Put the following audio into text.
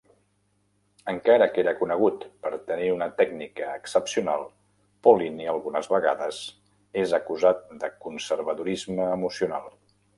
Encara que era conegut per tenir una tècnica excepcional, Pollini algunes vegades és acusat de conservadorisme emocional.